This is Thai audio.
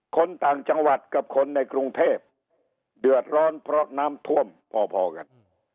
คนต่างจังหวัดกับคนในกรุงเทพเดือดร้อนเพราะน้ำท่วมพอพอกัน